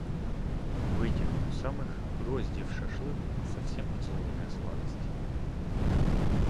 У этих у самых гроздьев шашлы — совсем поцелуйная сладость.